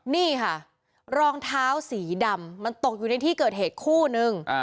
นี่ค่ะรองเท้าสีดำมันตกอยู่ในที่เกิดเหตุคู่นึง